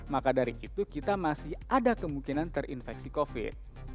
maka dari itu kita masih ada kemungkinan terinfeksi covid